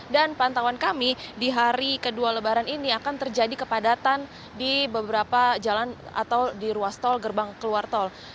dan pantauan kami di hari kedua lebaran ini akan terjadi kepadatan di beberapa jalan atau di ruas tol gerbang keluar tol